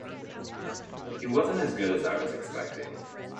He wasn't as good as I was expecting.